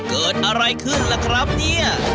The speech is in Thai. เกิดอะไรขึ้นล่ะครับเนี่ย